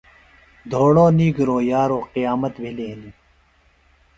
دھوڑو نیگِرو یارو قیامت بھِلیۡ ہِنیۡ۔